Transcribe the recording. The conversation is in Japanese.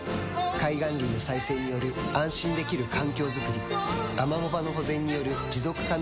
海岸林の再生による安心できる環境づくりアマモ場の保全による持続可能な海づくり